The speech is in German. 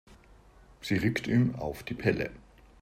Sie rückt ihm auf die Pelle.